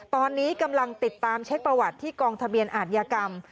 ตอนนี้กำลังติดตามเช็คประวัติที่กองทะเบียนอาทยากรรม